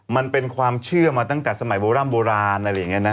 มันเป็นความเชื่อมาตั้งแต่สมัยโบร่ำโบราณอะไรอย่างนี้นะ